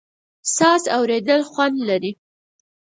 ساز اورېدل خوند لري.